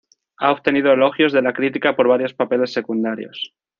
Ha obtenido elogios de la crítica por varios papeles secundarios.